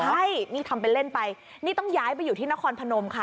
ใช่นี่ทำเป็นเล่นไปนี่ต้องย้ายไปอยู่ที่นครพนมค่ะ